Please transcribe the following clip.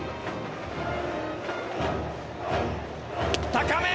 高め！